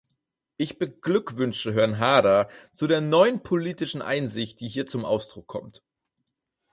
Ich beglückwünsche Herrn Haarder zu der neuen politischen Einsicht, die hier zum Ausdruck kommt.